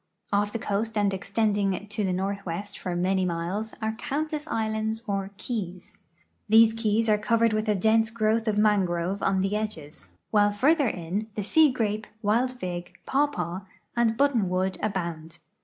Off the coast and extending to the northwest for many miles are countless islands or ke\'S. These keys are covered with a dense growth of mangrove on the edges, while further in the sea gra[»e, wild fig, })awpaw, and but tonwood abound.